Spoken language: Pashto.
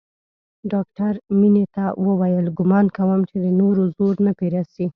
ډاکتر مينې ته وويل ګومان کوم چې د نورو زور نه پې رسي.